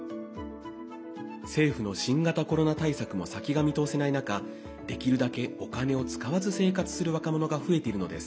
政府の新型コロナ対策も先が見通せない中できるだけお金を使わず生活する若者が増えているのです。